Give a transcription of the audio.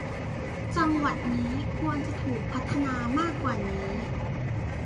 จังหวัดนี้ควรจะถูกพัฒนามากกว่านี้